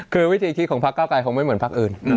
คือวิธีคิดของพักเก้าไกรคงไม่เหมือนพักอื่น